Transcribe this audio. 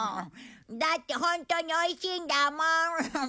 だってホントにおいしいんだもん。